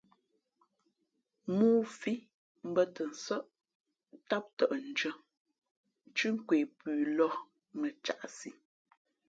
Mōō fǐ mbᾱtαnsάʼ ntám tαʼ ndʉ̄ᾱ nthʉ́ nkwe pʉ lōh mα caʼsi.